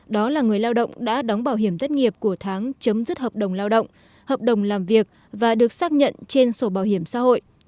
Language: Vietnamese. đó là người lao động đã đóng bảo hiểm thất nghiệp của tháng chấm dứt hợp đồng lao động hợp đồng làm việc và được xác nhận trên sổ bảo hiểm xã hội